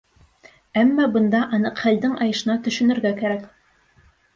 Әммә бында аныҡ хәлдең айышына төшөнөргә кәрәк.